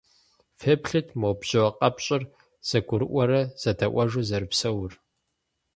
Феплъыт, мо бжьэ къэпщӏыр зэгурыӏуэрэ зэдэӏуэжу зэрыпсэур.